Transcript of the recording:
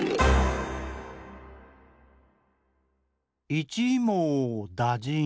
「いちもうだじん」。